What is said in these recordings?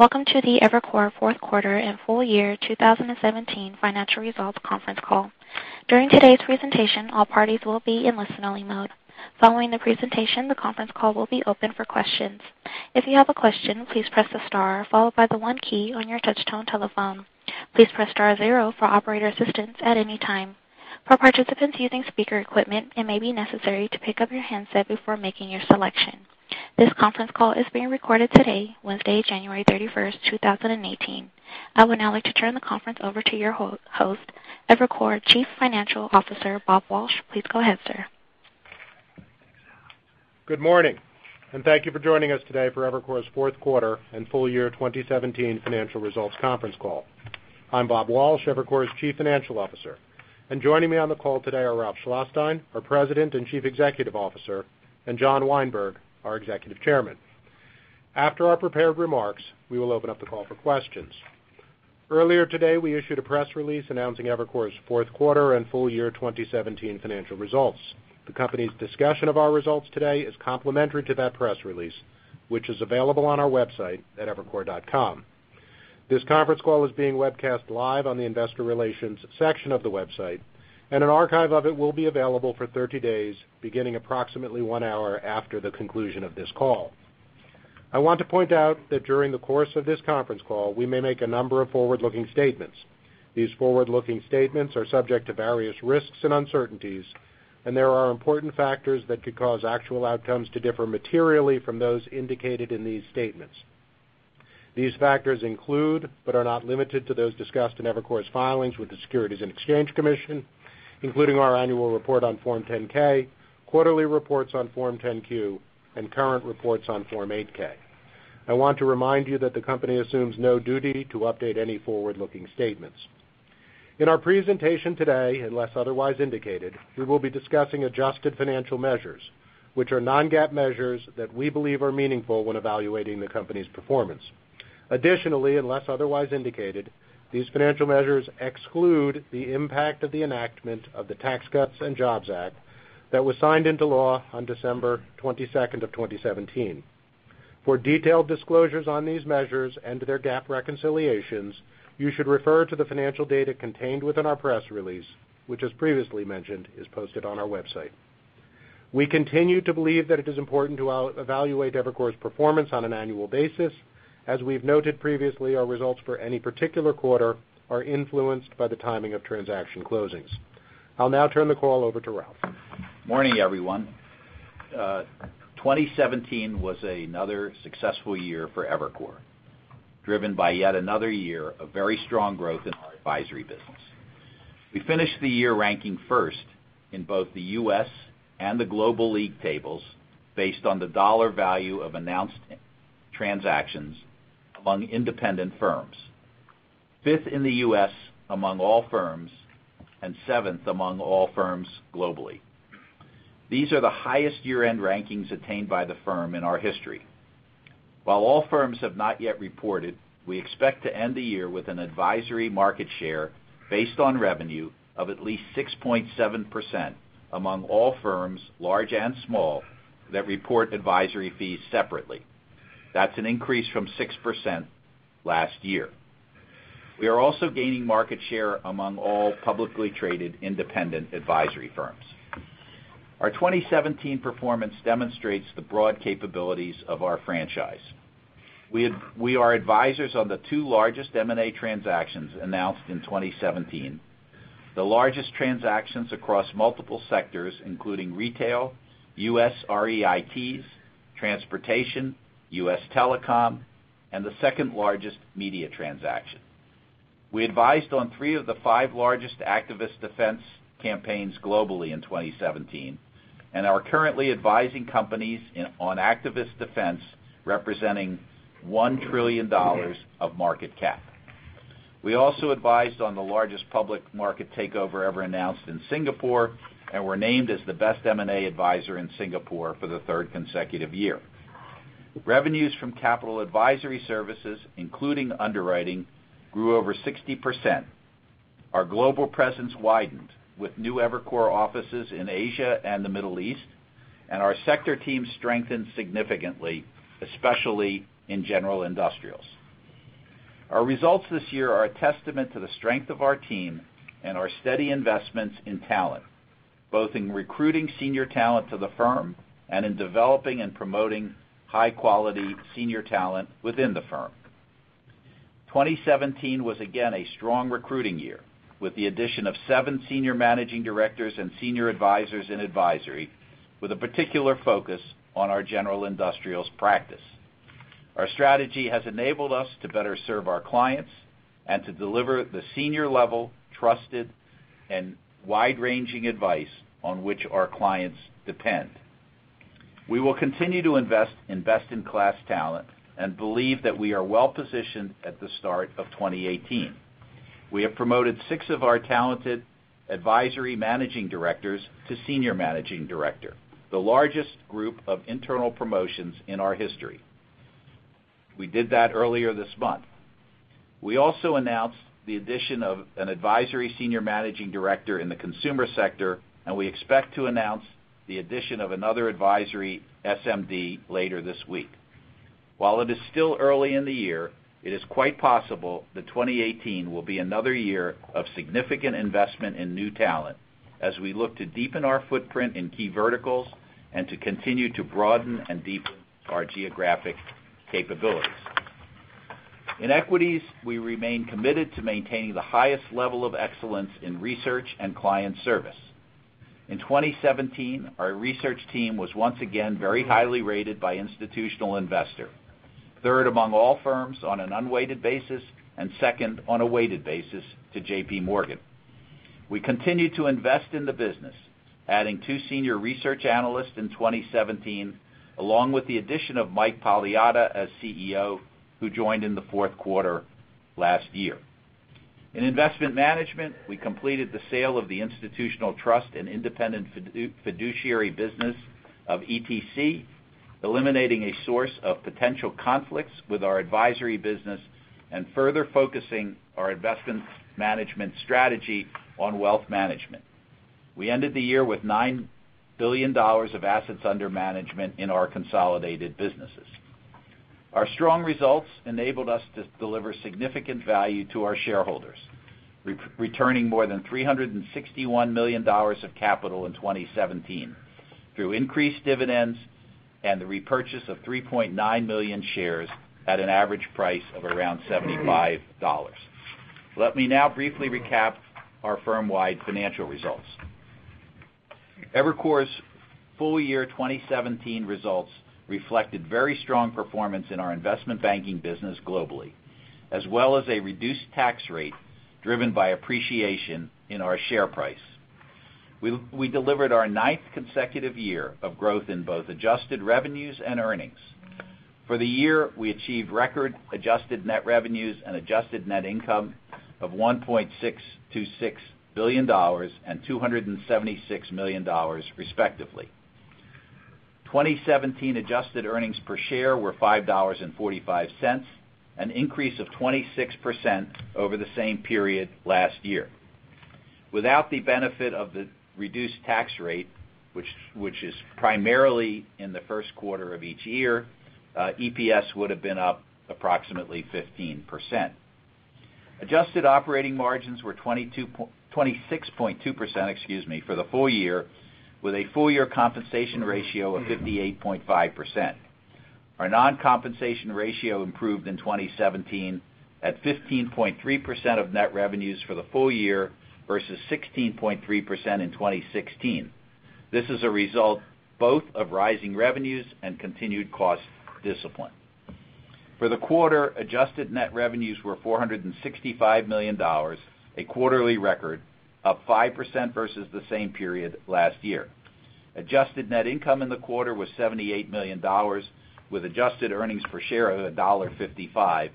Welcome to the Evercore fourth quarter and full year 2017 financial results conference call. During today's presentation, all parties will be in listening mode. Following the presentation, the conference call will be open for questions. If you have a question, please press the star followed by the one key on your touch-tone telephone. Please press star zero for operator assistance at any time. For participants using speaker equipment, it may be necessary to pick up your handset before making your selection. This conference call is being recorded today, Wednesday, January 31st, 2018. I would now like to turn the conference over to your host, Evercore Chief Financial Officer, Bob Walsh. Please go ahead, sir. Good morning. Thank you for joining us today for Evercore's fourth quarter and full year 2017 financial results conference call. I'm Bob Walsh, Evercore's Chief Financial Officer, and joining me on the call today are Ralph Schlosstein, our President and Chief Executive Officer, and John Weinberg, our Executive Chairman. After our prepared remarks, we will open up the call for questions. Earlier today, we issued a press release announcing Evercore's fourth quarter and full year 2017 financial results. The company's discussion of our results today is complementary to that press release, which is available on our website at evercore.com. This conference call is being webcast live on the investor relations section of the website, and an archive of it will be available for 30 days, beginning approximately one hour after the conclusion of this call. I want to point out that during the course of this conference call, we may make a number of forward-looking statements. These forward-looking statements are subject to various risks and uncertainties. There are important factors that could cause actual outcomes to differ materially from those indicated in these statements. These factors include, but are not limited to, those discussed in Evercore's filings with the Securities and Exchange Commission, including our annual report on Form 10-K, quarterly reports on Form 10-Q, and current reports on Form 8-K. I want to remind you that the company assumes no duty to update any forward-looking statements. In our presentation today, unless otherwise indicated, we will be discussing adjusted financial measures, which are non-GAAP measures that we believe are meaningful when evaluating the company's performance. Additionally, unless otherwise indicated, these financial measures exclude the impact of the enactment of the Tax Cuts and Jobs Act that was signed into law on December 22nd of 2017. For detailed disclosures on these measures and their GAAP reconciliations, you should refer to the financial data contained within our press release, which, as previously mentioned, is posted on our website. We continue to believe that it is important to evaluate Evercore's performance on an annual basis. As we've noted previously, our results for any particular quarter are influenced by the timing of transaction closings. I'll now turn the call over to Ralph. Morning, everyone. 2017 was another successful year for Evercore, driven by yet another year of very strong growth in our advisory business. We finished the year ranking first in both the U.S. and the global league tables based on the dollar value of announced transactions among independent firms, fifth in the U.S. among all firms, and seventh among all firms globally. These are the highest year-end rankings attained by the firm in our history. While all firms have not yet reported, we expect to end the year with an advisory market share based on revenue of at least 6.7% among all firms, large and small, that report advisory fees separately. That's an increase from 6% last year. We are also gaining market share among all publicly traded independent advisory firms. Our 2017 performance demonstrates the broad capabilities of our franchise. We are advisors on the two largest M&A transactions announced in 2017, the largest transactions across multiple sectors, including retail, U.S. REITs, transportation, U.S. telecom, and the second-largest media transaction. We advised on three of the five largest activist defense campaigns globally in 2017 and are currently advising companies on activist defense representing $1 trillion of market cap. We also advised on the largest public market takeover ever announced in Singapore and were named as the best M&A advisor in Singapore for the third consecutive year. Revenues from capital advisory services, including underwriting, grew over 60%. Our global presence widened with new Evercore offices in Asia and the Middle East, and our sector team strengthened significantly, especially in general industrials. Our results this year are a testament to the strength of our team and our steady investments in talent, both in recruiting senior talent to the firm and in developing and promoting high-quality senior talent within the firm. 2017 was again a strong recruiting year, with the addition of seven senior managing directors and senior advisors in advisory, with a particular focus on our general industrials practice. Our strategy has enabled us to better serve our clients and to deliver the senior-level, trusted, and wide-ranging advice on which our clients depend. We will continue to invest in best-in-class talent and believe that we are well-positioned at the start of 2018. We have promoted six of our talented advisory managing directors to senior managing director, the largest group of internal promotions in our history. We did that earlier this month. We also announced the addition of an advisory senior managing director in the consumer sector, and we expect to announce the addition of another advisory SMD later this week. While it is still early in the year, it is quite possible that 2018 will be another year of significant investment in new talent as we look to deepen our footprint in key verticals and to continue to broaden and deepen our geographic capabilities. In equities, we remain committed to maintaining the highest level of excellence in research and client service. In 2017, our research team was once again very highly rated by institutional investors, third among all firms on an unweighted basis, and second on a weighted basis to J.P. Morgan. We continue to invest in the business, adding two senior research analysts in 2017, along with the addition of Mike Paliotta as CEO, who joined in the fourth quarter last year. In investment management, we completed the sale of the institutional trust and independent fiduciary business of ETC, eliminating a source of potential conflicts with our advisory business and further focusing our investment management strategy on wealth management. We ended the year with $9 billion of assets under management in our consolidated businesses. Our strong results enabled us to deliver significant value to our shareholders, returning more than $361 million of capital in 2017 through increased dividends and the repurchase of 3.9 million shares at an average price of around $75. Let me now briefly recap our firm-wide financial results. Evercore's full-year 2017 results reflected very strong performance in our investment banking business globally, as well as a reduced tax rate driven by appreciation in our share price. We delivered our ninth consecutive year of growth in both adjusted revenues and earnings. For the year, we achieved record-adjusted net revenues and adjusted net income of $1.626 billion and $276 million, respectively. 2017 adjusted earnings per share were $5.45, an increase of 26% over the same period last year. Without the benefit of the reduced tax rate, which is primarily in the first quarter of each year, EPS would have been up approximately 15%. Adjusted operating margins were 26.2% for the full year, with a full-year compensation ratio of 58.5%. Our non-compensation ratio improved in 2017 at 15.3% of net revenues for the full year versus 16.3% in 2016. This is a result both of rising revenues and continued cost discipline. For the quarter, adjusted net revenues were $465 million, a quarterly record, up 5% versus the same period last year. Adjusted net income in the quarter was $78 million, with adjusted earnings per share of $1.55,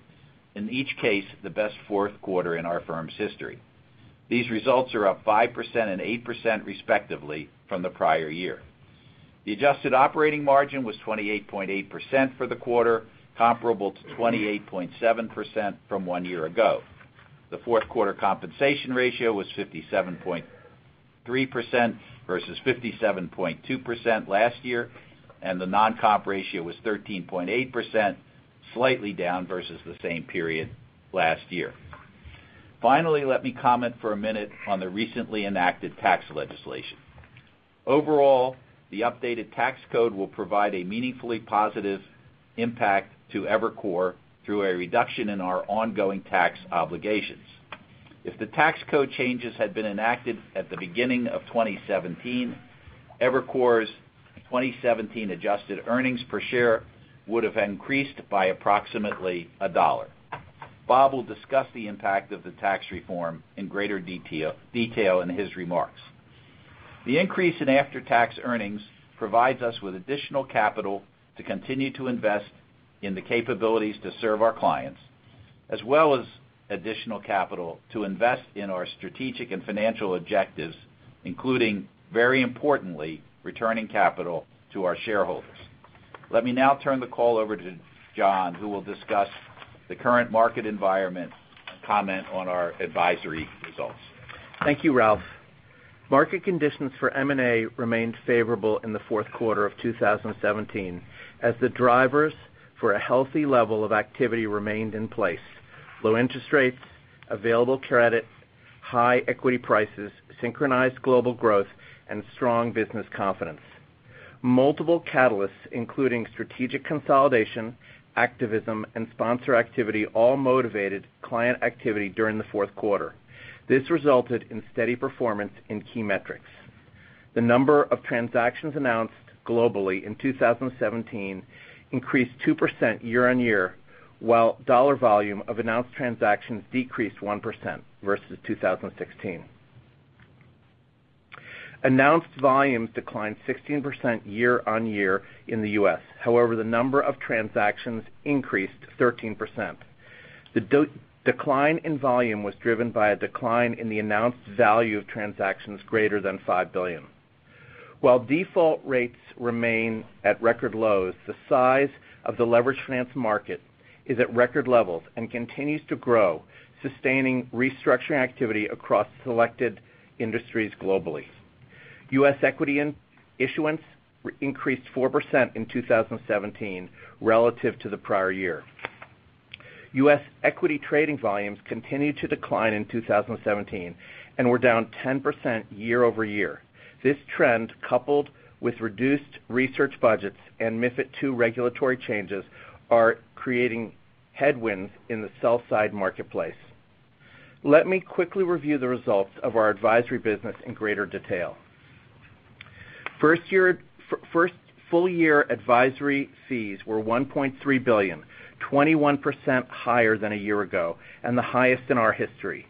in each case, the best fourth quarter in our firm's history. These results are up 5% and 8%, respectively, from the prior year. The adjusted operating margin was 28.8% for the quarter, comparable to 28.7% from one year ago. The fourth quarter compensation ratio was 57.3% versus 57.2% last year, and the non-comp ratio was 13.8%, slightly down versus the same period last year. Finally, let me comment for a minute on the recently enacted tax legislation. Overall, the updated tax code will provide a meaningfully positive impact to Evercore through a reduction in our ongoing tax obligations. If the tax code changes had been enacted at the beginning of 2017, Evercore's 2017 adjusted earnings per share would have increased by approximately $1. Bob will discuss the impact of the tax reform in greater detail in his remarks. The increase in after-tax earnings provides us with additional capital to continue to invest in the capabilities to serve our clients, as well as additional capital to invest in our strategic and financial objectives, including, very importantly, returning capital to our shareholders. Let me now turn the call over to John, who will discuss the current market environment and comment on our advisory results. Thank you, Ralph Schlosstein. Market conditions for M&A remained favorable in the fourth quarter of 2017 as the drivers for a healthy level of activity remained in place. Low interest rates, available credit, high equity prices, synchronized global growth, and strong business confidence. Multiple catalysts, including strategic consolidation, activism, and sponsor activity, all motivated client activity during the fourth quarter. This resulted in steady performance in key metrics. The number of transactions announced globally in 2017 increased 2% year-on-year, while dollar volume of announced transactions decreased 1% versus 2016. Announced volumes declined 16% year-on-year in the U.S. However, the number of transactions increased 13%. The decline in volume was driven by a decline in the announced value of transactions greater than $5 billion. While default rates remain at record lows, the size of the leveraged finance market is at record levels and continues to grow, sustaining restructuring activity across selected industries globally. U.S. equity issuance increased 4% in 2017 relative to the prior year. U.S. equity trading volumes continued to decline in 2017 and were down 10% year-over-year. This trend, coupled with reduced research budgets and MiFID II regulatory changes, are creating headwinds in the sell-side marketplace. Let me quickly review the results of our advisory business in greater detail. First full-year advisory fees were $1.3 billion, 21% higher than a year ago and the highest in our history.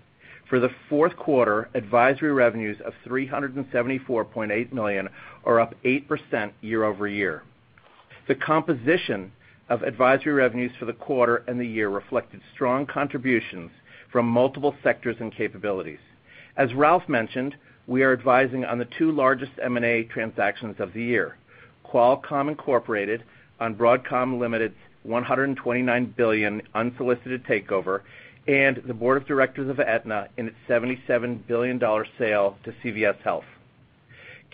For the fourth quarter, advisory revenues of $374.8 million are up 8% year-over-year. The composition of advisory revenues for the quarter and the year reflected strong contributions from multiple sectors and capabilities. As Ralph Schlosstein mentioned, we are advising on the two largest M&A transactions of the year, Qualcomm Incorporated on Broadcom Limited's $129 billion unsolicited takeover, and the board of directors of Aetna in its $77 billion sale to CVS Health.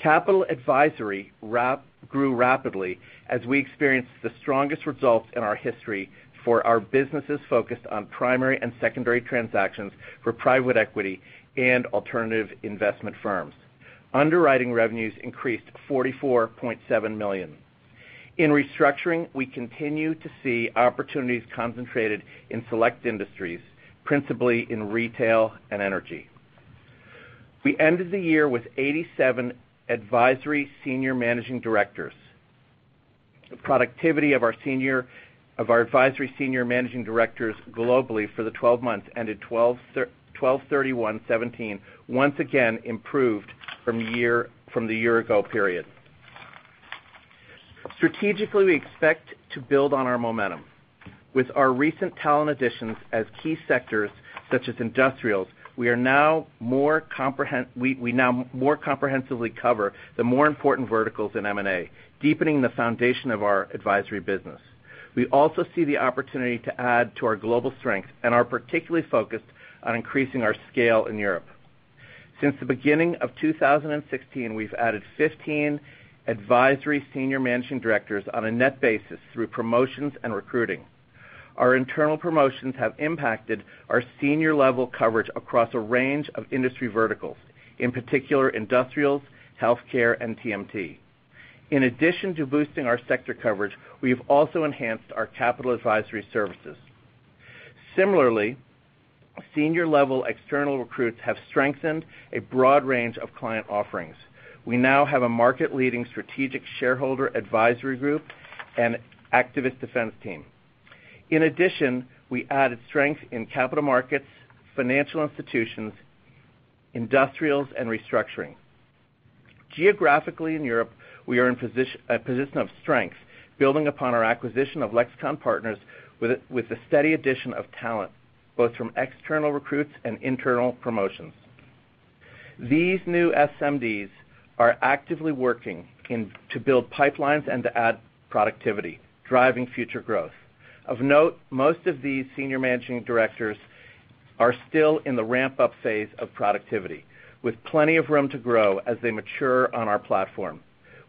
Capital advisory grew rapidly as we experienced the strongest results in our history for our businesses focused on primary and secondary transactions for private equity and alternative investment firms. Underwriting revenues increased to $44.7 million. In restructuring, we continue to see opportunities concentrated in select industries, principally in retail and energy. We ended the year with 87 advisory Senior Managing Directors. The productivity of our advisory Senior Managing Directors globally for the 12 months ended 12/31/2017, once again improved from the year-ago period. Strategically, we expect to build on our momentum. With our recent talent additions as key sectors such as industrials, we now more comprehensively cover the more important verticals in M&A, deepening the foundation of our advisory business. We also see the opportunity to add to our global strength and are particularly focused on increasing our scale in Europe. Since the beginning of 2016, we've added 15 advisory Senior Managing Directors on a net basis through promotions and recruiting. Our internal promotions have impacted our senior-level coverage across a range of industry verticals, in particular industrials, healthcare, and TMT. In addition to boosting our sector coverage, we've also enhanced our capital advisory services. Similarly, senior-level external recruits have strengthened a broad range of client offerings. We now have a market-leading strategic shareholder advisory group and activist defense team. In addition, we added strength in capital markets, financial institutions, industrials, and restructuring. Geographically in Europe, we are in a position of strength, building upon our acquisition of Lexicon Partners with the steady addition of talent, both from external recruits and internal promotions. These new SMDs are actively working to build pipelines and to add productivity, driving future growth. Of note, most of these senior managing directors are still in the ramp-up phase of productivity, with plenty of room to grow as they mature on our platform.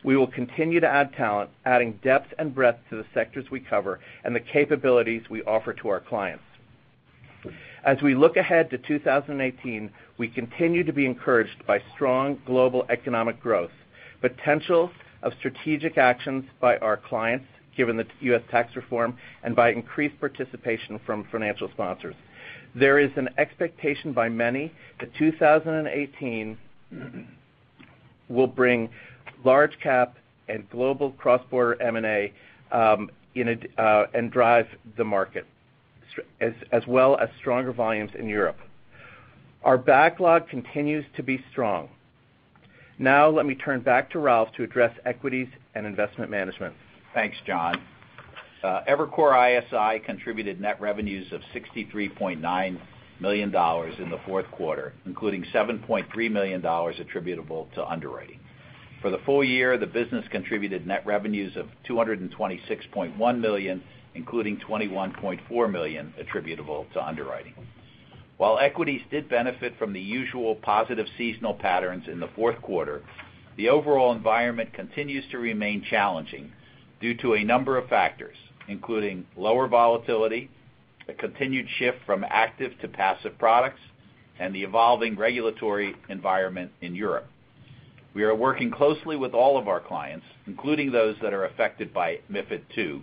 We will continue to add talent, adding depth and breadth to the sectors we cover and the capabilities we offer to our clients. As we look ahead to 2018, we continue to be encouraged by strong global economic growth, potential of strategic actions by our clients, given the U.S. tax reform, and by increased participation from financial sponsors. There is an expectation by many that 2018 will bring large cap and global cross-border M&A and drive the market, as well as stronger volumes in Europe. Our backlog continues to be strong. Now let me turn back to Ralph to address equities and investment management. Thanks, John. Evercore ISI contributed net revenues of $63.9 million in the fourth quarter, including $7.3 million attributable to underwriting. For the full year, the business contributed net revenues of $226.1 million, including $21.4 million attributable to underwriting. While equities did benefit from the usual positive seasonal patterns in the fourth quarter, the overall environment continues to remain challenging due to a number of factors, including lower volatility, a continued shift from active to passive products, and the evolving regulatory environment in Europe. We are working closely with all of our clients, including those that are affected by MiFID II,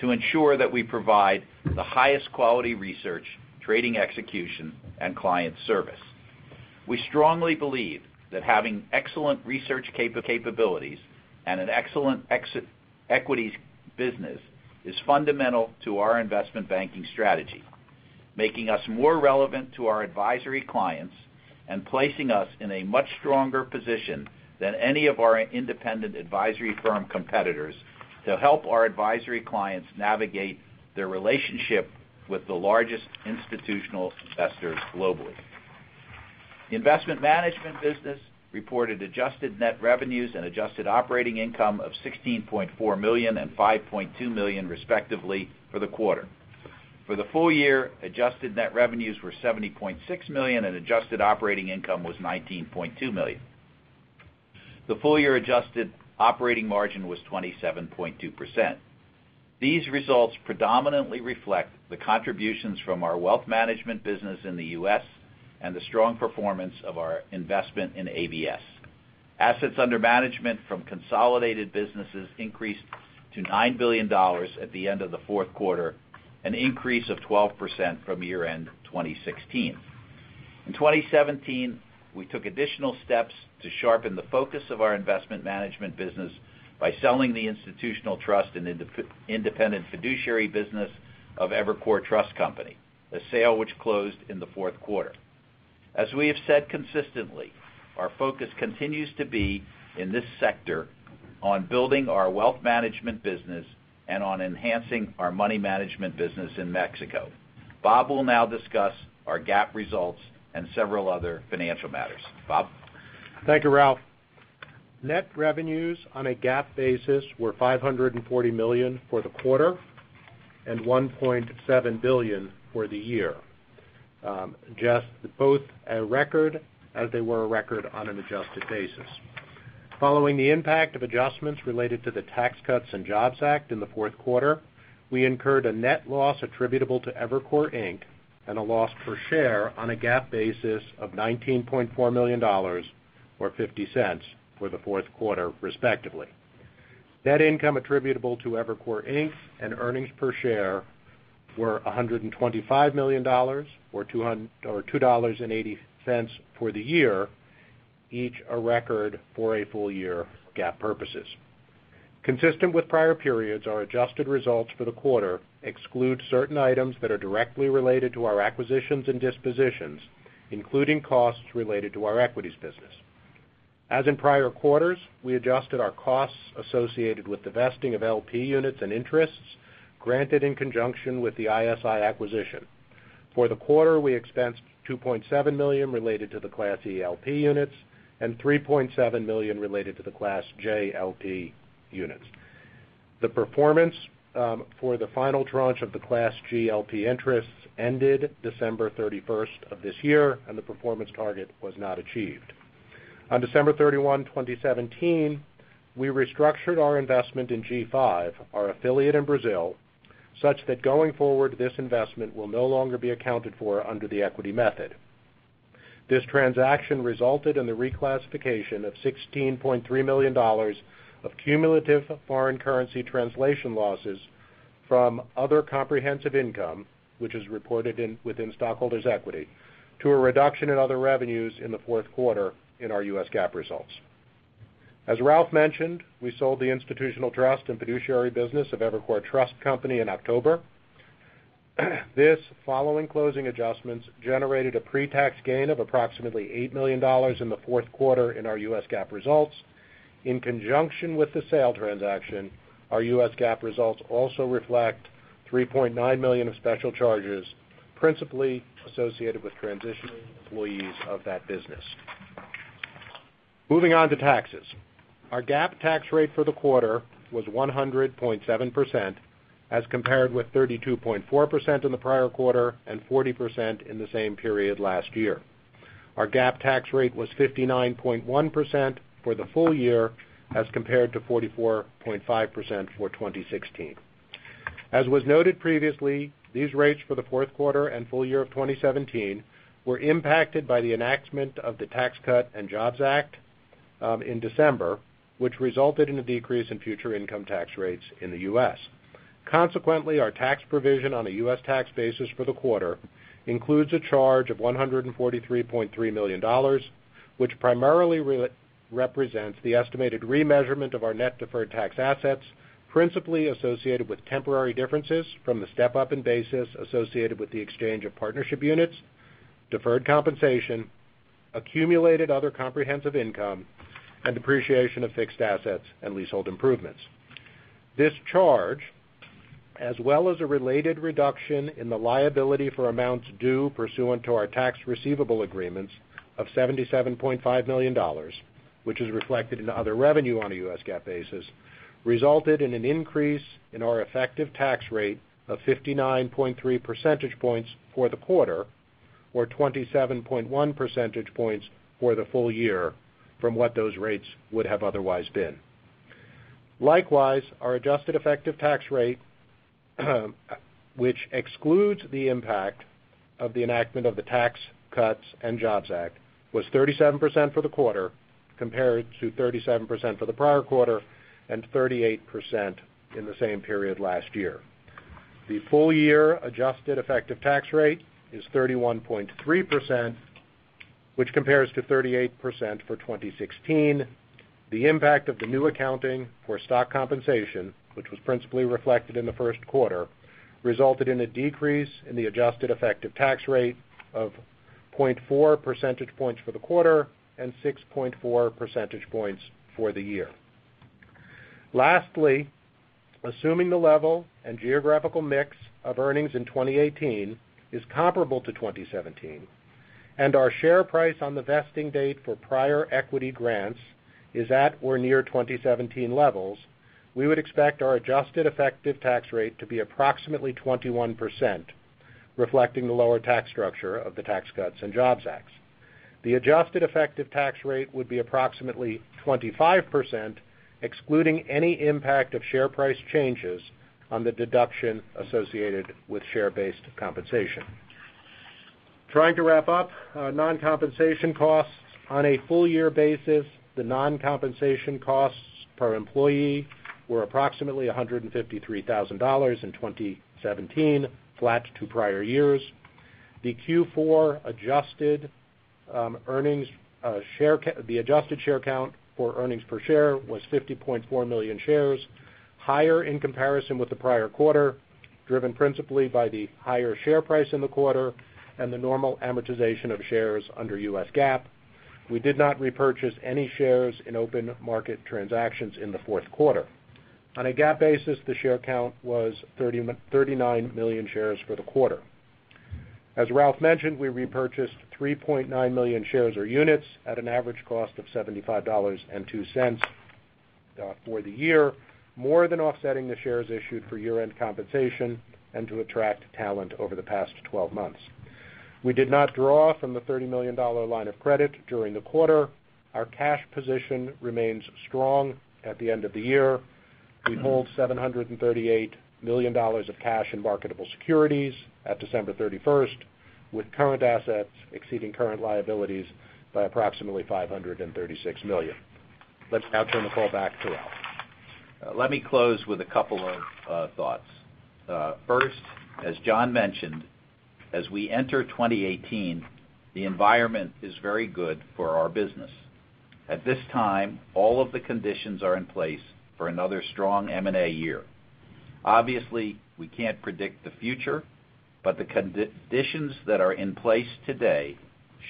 to ensure that we provide the highest quality research, trading execution, and client service. We strongly believe that having excellent research capabilities and an excellent equities business is fundamental to our investment banking strategy, making us more relevant to our advisory clients and placing us in a much stronger position than any of our independent advisory firm competitors to help our advisory clients navigate their relationship with the largest institutional investors globally. The investment management business reported adjusted net revenues and adjusted operating income of $16.4 million and $5.2 million, respectively, for the quarter. For the full year, adjusted net revenues were $70.6 million, and adjusted operating income was $19.2 million. The full-year adjusted operating margin was 27.2%. These results predominantly reflect the contributions from our wealth management business in the U.S. and the strong performance of our investment in ABS. Assets under management from consolidated businesses increased to $9 billion at the end of the fourth quarter, an increase of 12% from year-end 2016. In 2017, we took additional steps to sharpen the focus of our investment management business by selling the institutional trust and independent fiduciary business of Evercore Trust Company, a sale which closed in the fourth quarter. As we have said consistently, our focus continues to be in this sector on building our wealth management business and on enhancing our money management business in Mexico. Bob will now discuss our GAAP results and several other financial matters. Bob? Thank you, Ralph. Net revenues on a GAAP basis were $540 million for the quarter and $1.7 billion for the year. Both a record, as they were a record on an adjusted basis. Following the impact of adjustments related to the Tax Cuts and Jobs Act in the fourth quarter, we incurred a net loss attributable to Evercore Inc., and a loss per share on a GAAP basis of $19.4 million, or $0.50 for the fourth quarter, respectively. Net income attributable to Evercore Inc. and earnings per share were $125 million or $2.80 for the year, each a record for a full year for GAAP purposes. Consistent with prior periods, our adjusted results for the quarter exclude certain items that are directly related to our acquisitions and dispositions, including costs related to our equities business. As in prior quarters, we adjusted our costs associated with divesting of LP units and interests granted in conjunction with the ISI acquisition. For the quarter, we expensed $2.7 million related to the Class E LP units and $3.7 million related to the Class J LP units. The performance for the final tranche of the Class G LP interests ended December 31st of this year, and the performance target was not achieved. On December 31, 2017, we restructured our investment in G5, our affiliate in Brazil, such that going forward, this investment will no longer be accounted for under the equity method. This transaction resulted in the reclassification of $16.3 million of cumulative foreign currency translation losses from other comprehensive income, which is reported within stockholders' equity to a reduction in other revenues in the fourth quarter in our U.S. GAAP results. As Ralph mentioned, we sold the institutional trust and fiduciary business of Evercore Trust Company in October. This, following closing adjustments, generated a pre-tax gain of approximately $8 million in the fourth quarter in our U.S. GAAP results. In conjunction with the sale transaction, our U.S. GAAP results also reflect $3.9 million of special charges, principally associated with transitioning employees of that business. Moving on to taxes. Our GAAP tax rate for the quarter was 100.7%, as compared with 32.4% in the prior quarter and 40% in the same period last year. Our GAAP tax rate was 59.1% for the full year, as compared to 44.5% for 2016. As was noted previously, these rates for the fourth quarter and full year of 2017 were impacted by the enactment of the Tax Cuts and Jobs Act in December, which resulted in a decrease in future income tax rates in the U.S. Consequently, our tax provision on a U.S. tax basis for the quarter includes a charge of $143.3 million, which primarily represents the estimated remeasurement of our net deferred tax assets, principally associated with temporary differences from the step-up in basis associated with the exchange of partnership units, deferred compensation, accumulated other comprehensive income, and depreciation of fixed assets and leasehold improvements. This charge, as well as a related reduction in the liability for amounts due pursuant to our tax receivable agreements of $77.5 million, which is reflected in other revenue on a U.S. GAAP basis, resulted in an increase in our effective tax rate of 59.3 percentage points for the quarter or 27.1 percentage points for the full year from what those rates would have otherwise been. Likewise, our adjusted effective tax rate, which excludes the impact of the enactment of the Tax Cuts and Jobs Act, was 37% for the quarter, compared to 37% for the prior quarter and 38% in the same period last year. The full-year adjusted effective tax rate is 31.3%, which compares to 38% for 2016. The impact of the new accounting for stock compensation, which was principally reflected in the first quarter, resulted in a decrease in the adjusted effective tax rate of 0.4 percentage points for the quarter and 6.4 percentage points for the year. Lastly, assuming the level and geographical mix of earnings in 2018 is comparable to 2017, and our share price on the vesting date for prior equity grants is at or near 2017 levels, we would expect our adjusted effective tax rate to be approximately 21%, reflecting the lower tax structure of the Tax Cuts and Jobs Act. The adjusted effective tax rate would be approximately 25%, excluding any impact of share price changes on the deduction associated with share-based compensation. Trying to wrap up non-compensation costs. On a full year basis, the non-compensation costs per employee were approximately $153,000 in 2017, flat to prior years. The Q4 adjusted share count for earnings per share was 50.4 million shares, higher in comparison with the prior quarter, driven principally by the higher share price in the quarter and the normal amortization of shares under U.S. GAAP. We did not repurchase any shares in open market transactions in the fourth quarter. On a GAAP basis, the share count was 39 million shares for the quarter. As Ralph mentioned, we repurchased 3.9 million shares or units at an average cost of $75.02 for the year, more than offsetting the shares issued for year-end compensation and to attract talent over the past 12 months. We did not draw from the $30 million line of credit during the quarter. Our cash position remains strong at the end of the year. We hold $738 million of cash in marketable securities at December 31st, with current assets exceeding current liabilities by approximately $536 million. Let's now turn the call back to Ralph. Let me close with a couple of thoughts. First, as John mentioned, as we enter 2018, the environment is very good for our business. At this time, all of the conditions are in place for another strong M&A year. Obviously, we can't predict the future, but the conditions that are in place today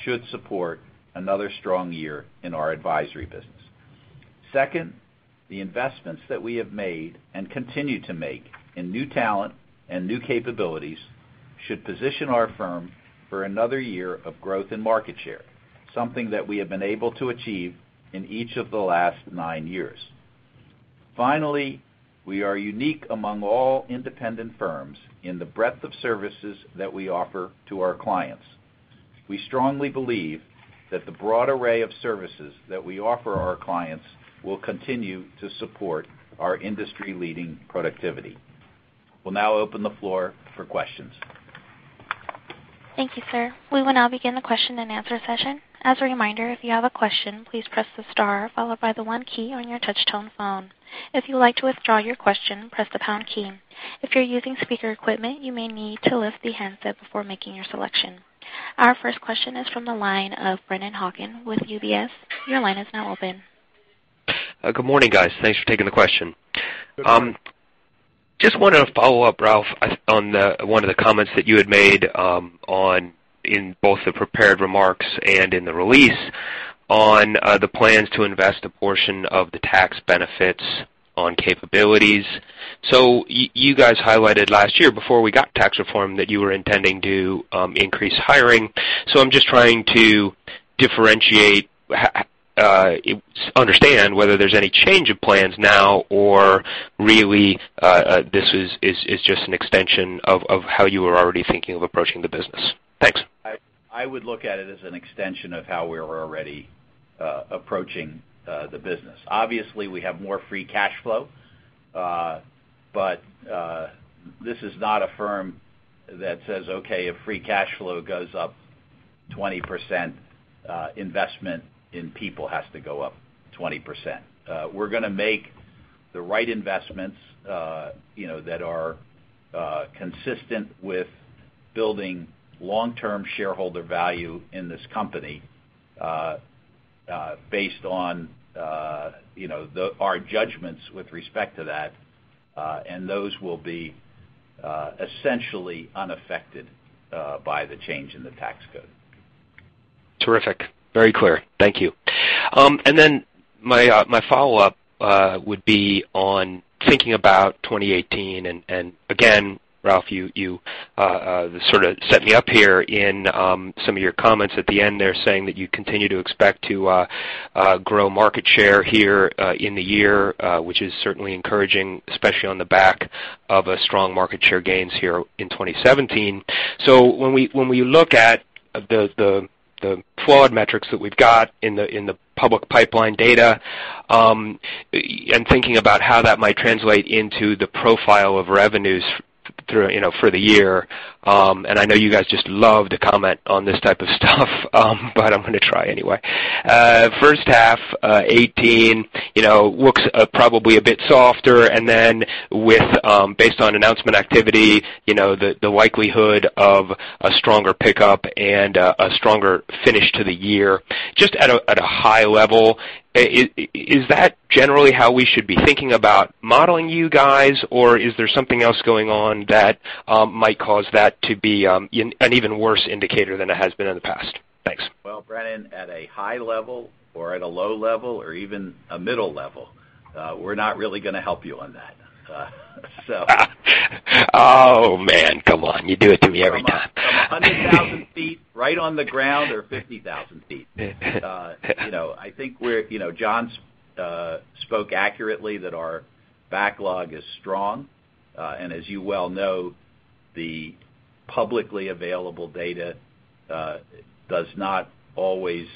should support another strong year in our advisory business. Second, the investments that we have made and continue to make in new talent and new capabilities should position our firm for another year of growth and market share, something that we have been able to achieve in each of the last nine years. Finally, we are unique among all independent firms in the breadth of services that we offer to our clients. We strongly believe that the broad array of services that we offer our clients will continue to support our industry-leading productivity. We'll now open the floor for questions. Thank you, sir. We will now begin the question and answer session. As a reminder, if you have a question, please press the star followed by the one key on your touch tone phone. If you'd like to withdraw your question, press the pound key. If you're using speaker equipment, you may need to lift the handset before making your selection. Our first question is from the line of Brennan Hawken with UBS. Your line is now open. Good morning, guys. Thanks for taking the question. Good morning. Just wanted to follow up, Ralph, on one of the comments that you had made in both the prepared remarks and in the release on the plans to invest a portion of the tax benefits on capabilities. You guys highlighted last year before we got tax reform that you were intending to increase hiring. I'm just trying to understand whether there's any change of plans now or really, this is just an extension of how you were already thinking of approaching the business. Thanks. I would look at it as an extension of how we're already approaching the business. Obviously, we have more free cash flow. This is not a firm that says, "Okay, if free cash flow goes up 20%, investment in people has to go up 20%." We're going to make the right investments that are consistent with building long-term shareholder value in this company based on our judgments with respect to that, and those will be essentially unaffected by the change in the tax code. Terrific. Very clear. Thank you. My follow-up would be on thinking about 2018, and again, Ralph, you sort of set me up here in some of your comments at the end there saying that you continue to expect to grow market share here in the year, which is certainly encouraging, especially on the back of strong market share gains here in 2017. When we look at the flawed metrics that we've got in the public pipeline data, and thinking about how that might translate into the profile of revenues for the year, and I know you guys just love to comment on this type of stuff but I'm going to try anyway. First half 2018 looks probably a bit softer and then based on announcement activity, the likelihood of a stronger pickup and a stronger finish to the year. Just at a high level, is that generally how we should be thinking about modeling you guys or is there something else going on that might cause that to be an even worse indicator than it has been in the past? Thanks. Well, Brennan, at a high level or at a low level or even a middle level, we're not really going to help you on that. Oh, man, come on. You do it to me every time. From 100,000 feet right on the ground or 50,000 feet. I think John spoke accurately that our backlog is strong. As you well know, the publicly available data does not always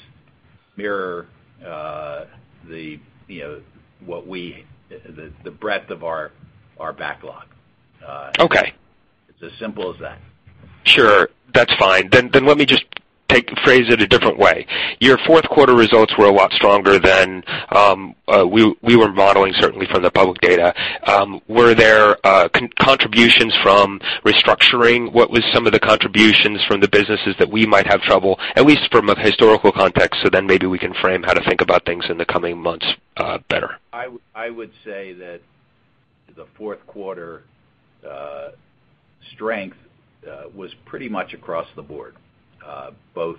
mirror the breadth of our backlog. Okay. It's as simple as that. Sure. That's fine. Let me just phrase it a different way. Your fourth quarter results were a lot stronger than we were modeling, certainly from the public data. Were there contributions from restructuring? What were some of the contributions from the businesses that we might have trouble, at least from a historical context, maybe we can frame how to think about things in the coming months better? I would say that the fourth quarter strength was pretty much across the board, both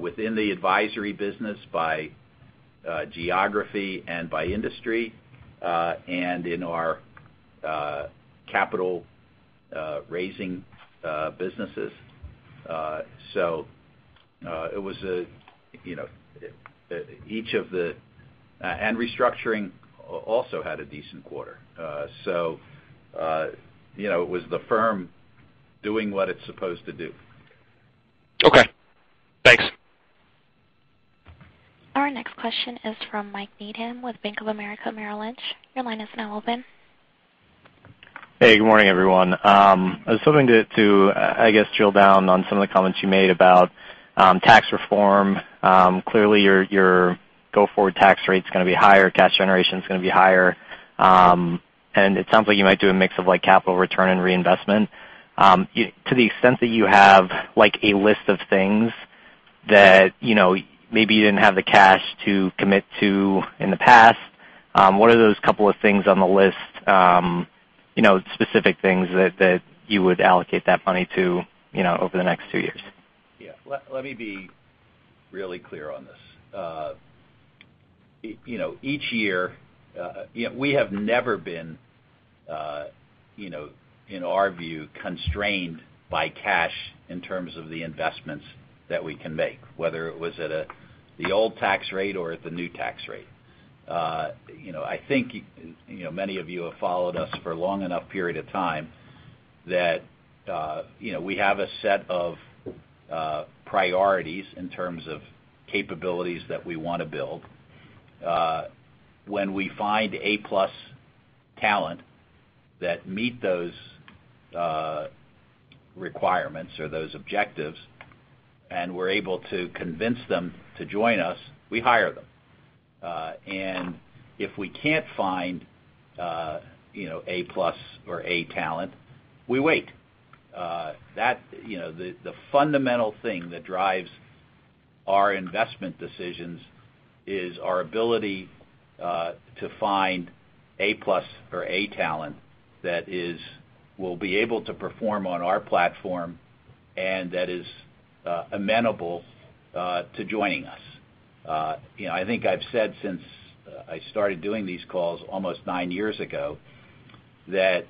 within the advisory business by geography and by industry, and in our capital raising businesses. Restructuring also had a decent quarter. It was the firm doing what it's supposed to do. Okay, thanks. Our next question is from Mike Needham with Bank of America Merrill Lynch. Your line is now open. Hey, good morning, everyone. I was hoping to, I guess, drill down on some of the comments you made about tax reform. Clearly, your go-forward tax rate's going to be higher, cash generation's going to be higher. It sounds like you might do a mix of capital return and reinvestment. To the extent that you have a list of things that maybe you didn't have the cash to commit to in the past, what are those couple of things on the list, specific things that you would allocate that money to over the next two years? Yeah. Let me be really clear on this. We have never been, in our view, constrained by cash in terms of the investments that we can make, whether it was at the old tax rate or at the new tax rate. I think many of you have followed us for a long enough period of time that we have a set of priorities in terms of capabilities that we want to build. When we find A-plus talent that meet those requirements or those objectives, and we're able to convince them to join us, we hire them. If we can't find A-plus or A talent, we wait. The fundamental thing that drives our investment decisions is our ability to find A-plus or A talent that will be able to perform on our platform and that is amenable to joining us. I think I've said since I started doing these calls almost nine years ago that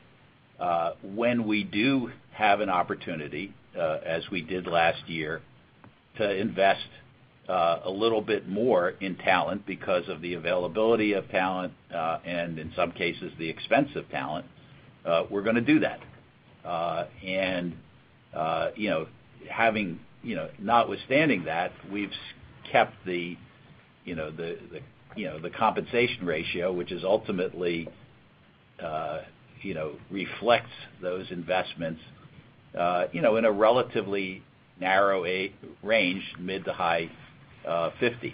when we do have an opportunity, as we did last year, to invest a little bit more in talent because of the availability of talent, and in some cases, the expense of talent, we're going to do that. Notwithstanding that, we've kept the compensation ratio, which ultimately reflects those investments in a relatively narrow range, mid to high 50s.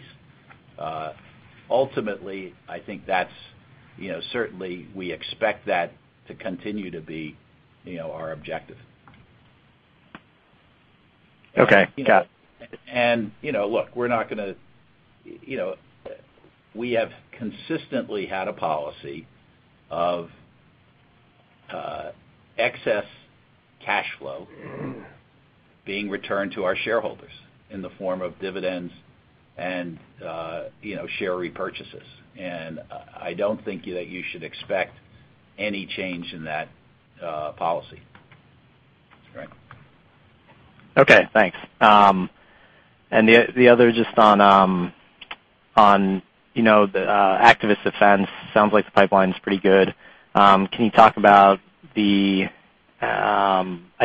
Ultimately, certainly we expect that to continue to be our objective. Okay. Got it. Look, we have consistently had a policy of excess cash flow being returned to our shareholders in the form of dividends and share repurchases, and I don't think that you should expect any change in that policy. Right. Okay, thanks. The other just on the activist defense, sounds like the pipeline's pretty good. Can you talk about, I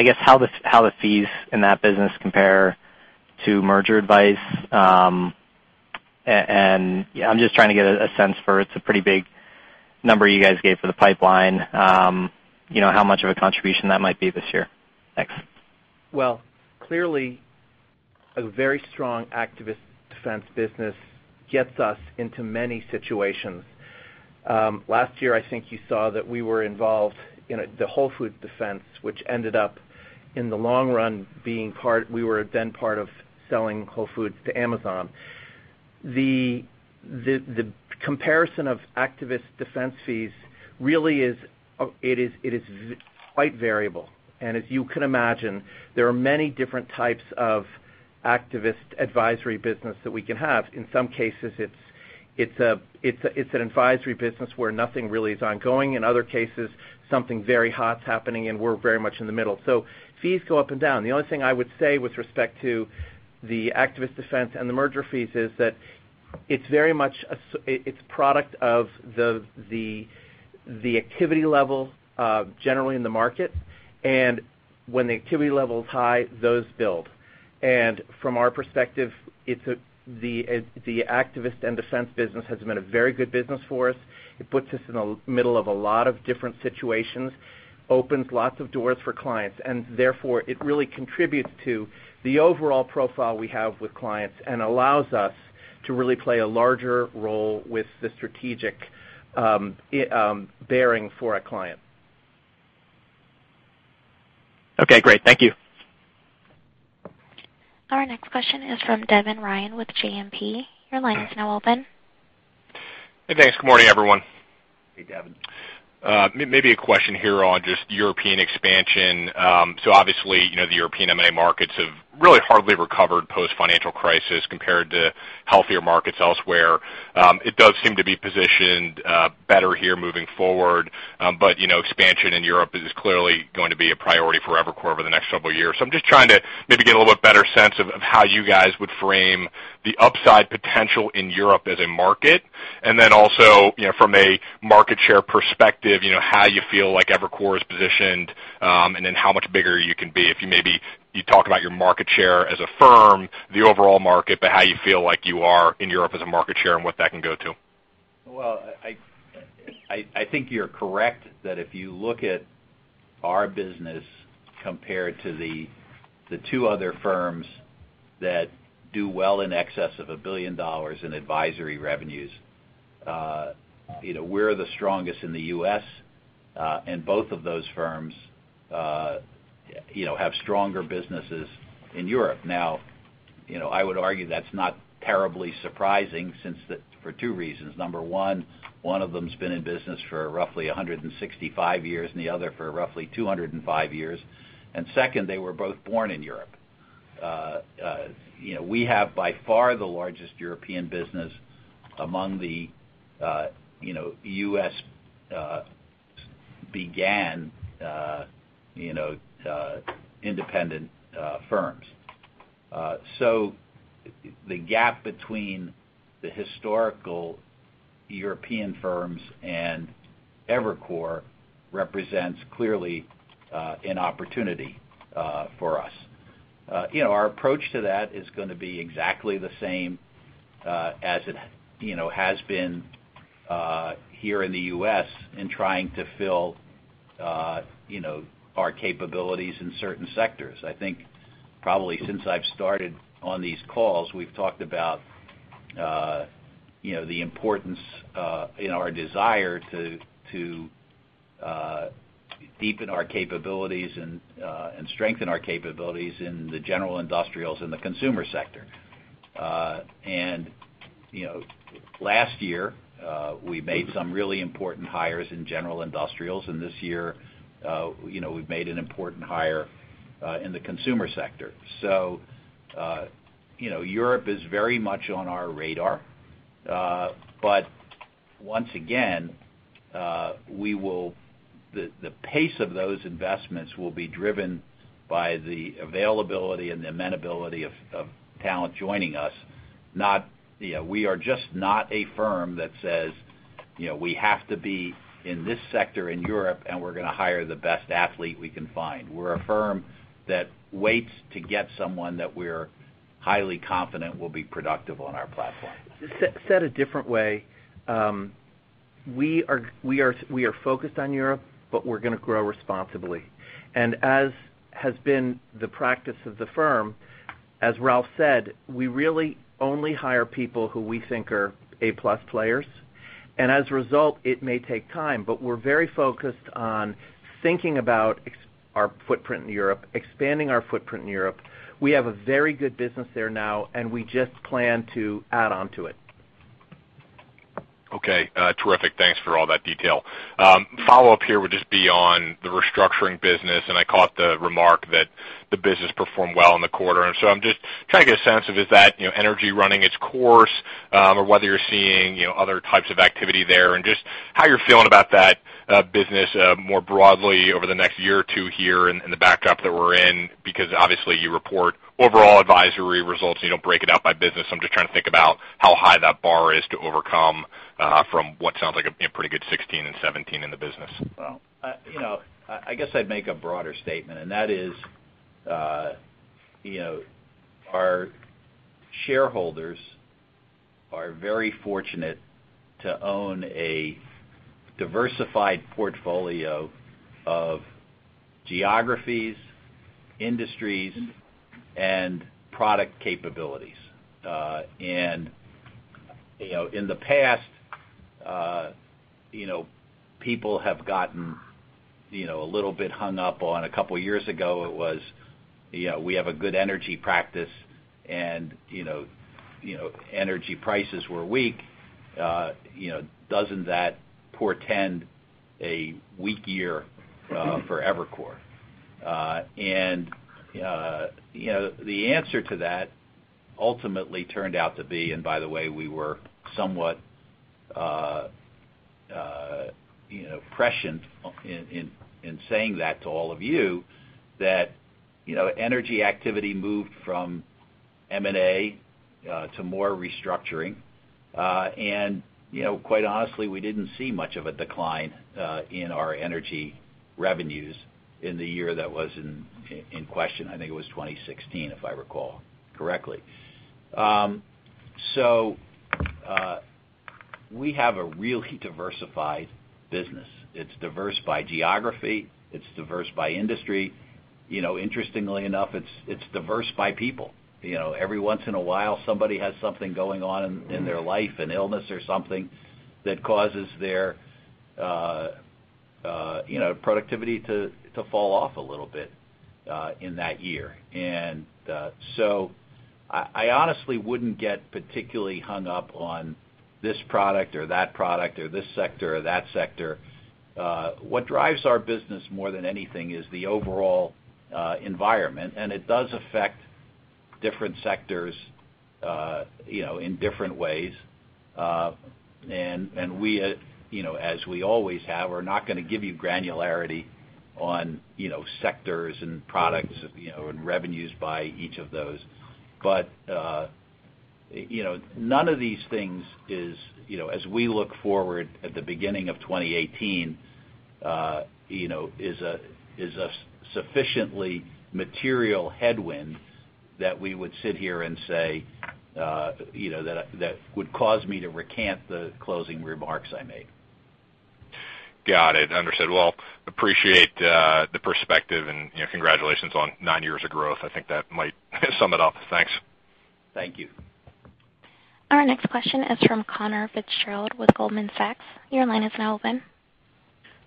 guess, how the fees in that business compare to merger advice? I'm just trying to get a sense for it. It's a pretty big number you guys gave for the pipeline, how much of a contribution that might be this year. Thanks. Well, clearly, a very strong activist defense business gets us into many situations. Last year, I think you saw that we were involved in the Whole Foods defense, which ended up in the long run, we were then part of selling Whole Foods to Amazon. The comparison of activist defense fees really is quite variable. As you can imagine, there are many different types of activist advisory business that we can have. In some cases, it's an advisory business where nothing really is ongoing. In other cases, something very hot is happening, and we're very much in the middle. Fees go up and down. The only thing I would say with respect to the activist defense and the merger fees is that it's a product of the activity level, generally in the market. When the activity level is high, those build. From our perspective, the activist and defense business has been a very good business for us. It puts us in the middle of a lot of different situations, opens lots of doors for clients, and therefore, it really contributes to the overall profile we have with clients and allows us to really play a larger role with the strategic bearing for our client. Okay, great. Thank you. Our next question is from Devin Ryan with JMP. Your line is now open. Hey, thanks. Good morning, everyone. Hey, Devin. Maybe a question here on just European expansion. Obviously, the European M&A markets have really hardly recovered post-financial crisis compared to healthier markets elsewhere. It does seem to be positioned better here moving forward. Expansion in Europe is clearly going to be a priority for Evercore over the next several years. I'm just trying to maybe get a little bit better sense of how you guys would frame the upside potential in Europe as a market. Also from a market share perspective, how you feel like Evercore is positioned, and then how much bigger you can be if you maybe talk about your market share as a firm, the overall market, but how you feel like you are in Europe as a market share and what that can go to. Well, I think you're correct that if you look at our business compared to the two other firms that do well in excess of $1 billion in advisory revenues, we're the strongest in the U.S., and both of those firms have stronger businesses in Europe. Now, I would argue that's not terribly surprising for 2 reasons. Number 1, one of them's been in business for roughly 165 years, and the other for roughly 205 years. 2, they were both born in Europe. We have by far the largest European business among the U.S.-began independent firms. The gap between the historical European firms and Evercore represents clearly an opportunity for us. Our approach to that is going to be exactly the same as it has been here in the U.S. in trying to fill our capabilities in certain sectors. I think probably since I've started on these calls, we've talked about the importance in our desire to deepen our capabilities and strengthen our capabilities in the general industrials in the consumer sector. Last year, we made some really important hires in general industrials, and this year we've made an important hire in the consumer sector. Europe is very much on our radar. Once again, the pace of those investments will be driven by the availability and the amenability of talent joining us. We are just not a firm that says, "We have to be in this sector in Europe, and we're going to hire the best athlete we can find." We're a firm that waits to get someone that we're highly confident will be productive on our platform. Said a different way, we are focused on Europe, but we're going to grow responsibly. As has been the practice of the firm, as Ralph said, we really only hire people who we think are A-plus players. As a result, it may take time, but we're very focused on thinking about our footprint in Europe, expanding our footprint in Europe. We have a very good business there now, and we just plan to add onto it. Okay, terrific. Thanks for all that detail. Follow-up here would just be on the restructuring business. I caught the remark that the business performed well in the quarter. I'm just trying to get a sense of, is that energy running its course or whether you're seeing other types of activity there and just how you're feeling about that business more broadly over the next year or two here in the backdrop that we're in. Because obviously you report overall advisory results, you don't break it out by business. I'm just trying to think about how high that bar is to overcome from what sounds like a pretty good 2016 and 2017 in the business. Well, I guess I'd make a broader statement, and that is, our shareholders are very fortunate to own a diversified portfolio of geographies, industries, and product capabilities. In the past, people have gotten a little bit hung up on a couple of years ago, it was, we have a good energy practice and energy prices were weak. Doesn't that portend a weak year for Evercore. The answer to that ultimately turned out to be, and by the way, we were somewhat prescient in saying that to all of you, that energy activity moved from M&A to more restructuring. Quite honestly, we didn't see much of a decline in our energy revenues in the year that was in question. I think it was 2016, if I recall correctly. We have a really diversified business. It's diverse by geography. It's diverse by industry. Interestingly enough, it's diverse by people. Every once in a while, somebody has something going on in their life, an illness or something, that causes their productivity to fall off a little bit in that year. I honestly wouldn't get particularly hung up on this product or that product or this sector or that sector. What drives our business more than anything is the overall environment, and it does affect different sectors in different ways. We, as we always have, are not going to give you granularity on sectors and products and revenues by each of those. None of these things is, as we look forward at the beginning of 2018, is a sufficiently material headwind that we would sit here and say that would cause me to recant the closing remarks I made. Got it. Understood. Appreciate the perspective and congratulations on nine years of growth. I think that might sum it up. Thanks. Thank you. Our next question is from Conor Fitzgerald with Goldman Sachs. Your line is now open.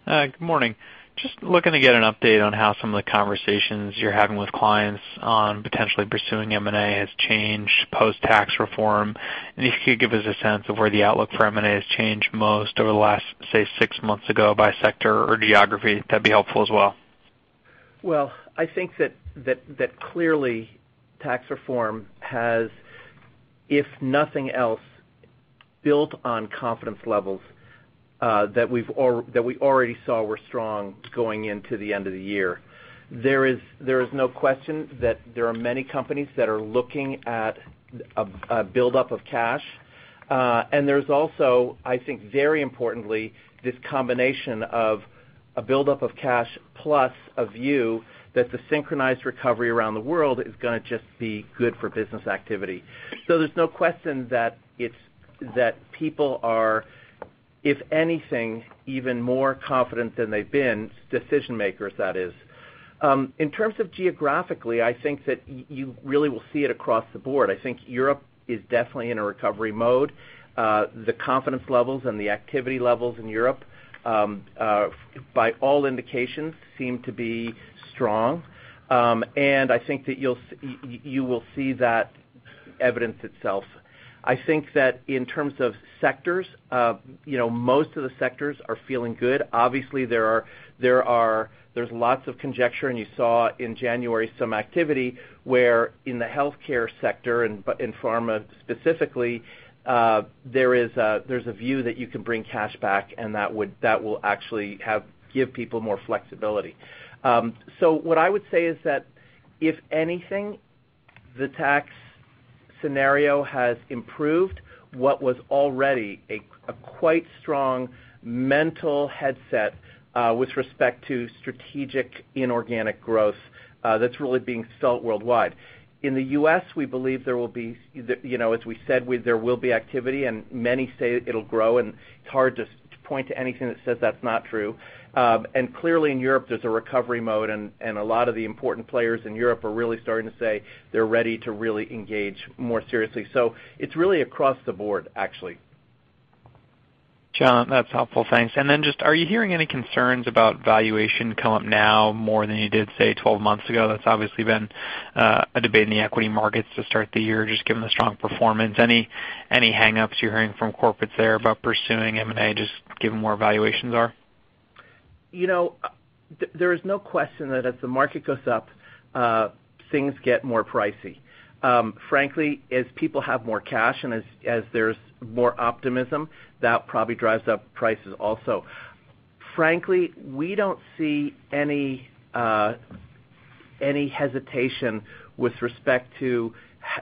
Good morning. Just looking to get an update on how some of the conversations you're having with clients on potentially pursuing M&A has changed post-tax reform, and if you could give us a sense of where the outlook for M&A has changed most over the last, say, six months ago by sector or geography, that'd be helpful as well. Well, I think that clearly tax reform has, if nothing else, built on confidence levels that we already saw were strong going into the end of the year. There is no question that there are many companies that are looking at a buildup of cash. There's also, I think, very importantly, this combination of a buildup of cash plus a view that the synchronized recovery around the world is going to just be good for business activity. There's no question that people are, if anything, even more confident than they've been, decision-makers, that is. In terms of geographically, I think that you really will see it across the board. I think Europe is definitely in a recovery mode. The confidence levels and the activity levels in Europe, by all indications, seem to be strong. I think that you will see that evidence itself. I think that in terms of sectors, most of the sectors are feeling good. Obviously, there's lots of conjecture, and you saw in January some activity where in the healthcare sector, in pharma specifically, there's a view that you can bring cash back, and that will actually give people more flexibility. What I would say is that if anything, the tax scenario has improved what was already a quite strong mental headset with respect to strategic inorganic growth that's really being felt worldwide. In the U.S., we believe there will be, as we said, there will be activity, and many say it'll grow, and it's hard to point to anything that says that's not true. Clearly in Europe, there's a recovery mode, and a lot of the important players in Europe are really starting to say they're ready to really engage more seriously. It's really across the board, actually. John, that's helpful. Thanks. Are you hearing any concerns about valuation come up now more than you did, say, 12 months ago? That's obviously been a debate in the equity markets to start the year, just given the strong performance. Any hang-ups you're hearing from corporates there about pursuing M&A, just given where valuations are? There is no question that as the market goes up, things get more pricey. Frankly, as people have more cash and as there's more optimism, that probably drives up prices also. Frankly, we don't see any hesitation with respect to